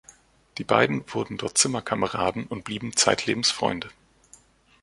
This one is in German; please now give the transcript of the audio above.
Die beiden wurden dort Zimmerkameraden und blieben zeitlebens Freunde.